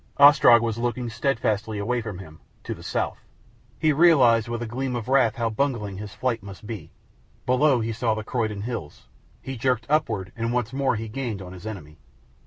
Ostrog was looking steadfastly away from him to the south. He realized with a gleam of wrath how bungling his flight must be. Below he saw the Croydon hills. He jerked upward and once more he gained on his enemy.